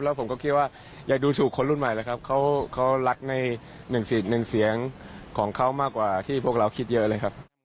แล้วผมก็คิดว่าอยากดูสู่คนรุ่นใหม่เลยครับเขารักในหนึ่งเสียงของเขามากกว่าที่พวกเราคิดเยอะเลยครับ